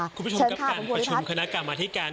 เชิญค่ะคุณภูริพัฒน์คุณผู้ชมกับการประชุมคณะกรรมอธิการ